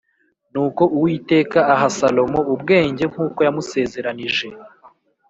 Nuko Uwiteka aha Salomo ubwenge nk’uko yamusezeranije